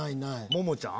ももちゃん